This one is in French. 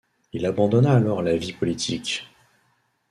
Il abandonna alors la vie politique.